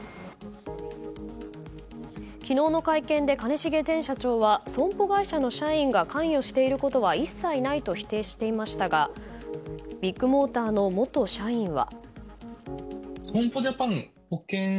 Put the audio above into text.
昨日の会見で兼重前社長は損保会社の社員が関与していることは一切ないと否定していましたがビッグモーターの元社員は。